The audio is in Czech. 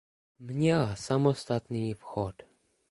Měla samostatný vchod.